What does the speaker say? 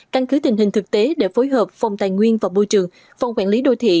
căn cứ tình hình thực tế để phối hợp phòng tài nguyên và môi trường phòng quản lý đô thị